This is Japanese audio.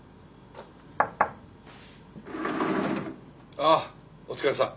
あっお疲れさん。